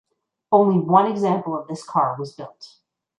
Only one example of this car was built.